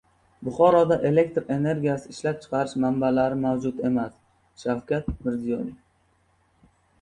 Buxoroda elektr energiyasi ishlab chiqarish manbalari mavjud emas- Shavkat Mirziyoyev